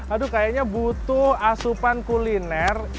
aduh kayaknya butuh asupan kuliner